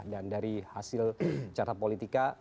dan dari hasil carta politika